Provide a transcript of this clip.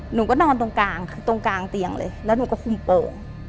หนูก็นอนตรงกลางตรงกลางเตียงเลยแล้วหนูก็คุมโป่ง